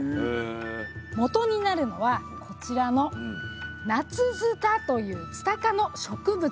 もとになるのはこちらのナツヅタというツタ科の植物。